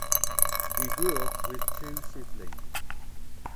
He grew up with two siblings.